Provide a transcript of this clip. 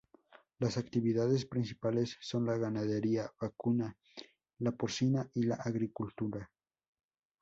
Las actividades principales son la ganadería vacuna, la porcina y la agricultura.